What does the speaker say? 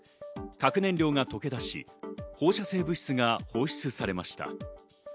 核燃料が溶け出し、放射性物質が放出されました。